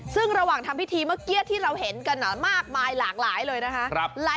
ซึ่งระหว่างทำพิธีเมื่อกี้ที่เราเห็นกันมากมายหลากหลายเลยนะคะ